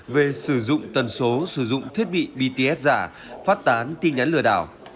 về sử dụng tần số sử dụng thiết bị bts giả phát tán tin nhắn lừa đảo